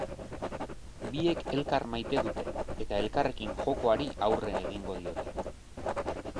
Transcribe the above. Biek elkar maite dute eta elkarrekin jokoari aurre egingo diote.